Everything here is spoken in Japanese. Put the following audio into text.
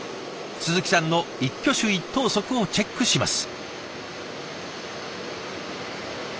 鈴木さんの一挙手一投足をチェックします。